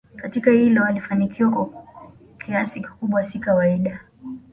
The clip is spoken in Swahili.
katika hilo alifanikiwa kwa kiasi kikubwa si kawaida